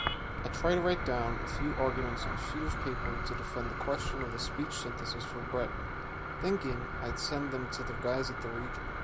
I tried to write down a few arguments on a sheet of paper to defend the question of the speech synthesis for Breton, thinking I’d send them to the guys at the Region.